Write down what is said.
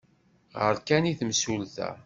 Ɣer kan i temsulta.